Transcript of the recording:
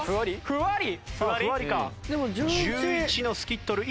ふわり。